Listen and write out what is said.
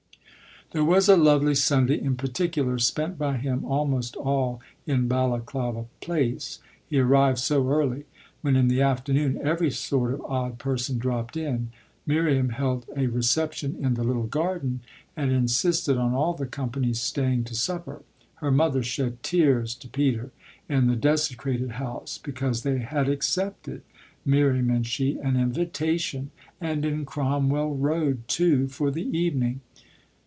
There was a lovely Sunday in particular, spent by him almost all in Balaklava Place he arrived so early when, in the afternoon, every sort of odd person dropped in. Miriam held a reception in the little garden and insisted on all the company's staying to supper. Her mother shed tears to Peter, in the desecrated house, because they had accepted, Miriam and she, an invitation and in Cromwell Road too for the evening.